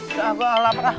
udah gue lapar lah